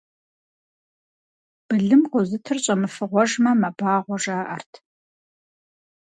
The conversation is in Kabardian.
Былым къозытыр щӏэмыфыгъуэжмэ, мэбагъуэ жаӏэрт.